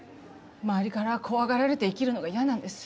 周りから怖がられて生きるのが嫌なんです。